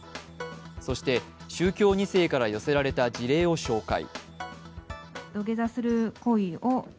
そして、宗教２世から寄せられた事例を紹介。